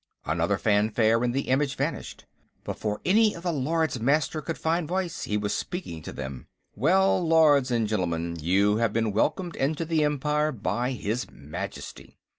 Another fanfare, as the image vanished. Before any of the Lords Master could find voice, he was speaking to them: "Well, Lords and Gentlemen, you have been welcomed into the Empire by his Majesty.